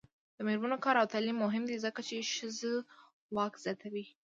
د میرمنو کار او تعلیم مهم دی ځکه چې ښځو واک زیاتوي.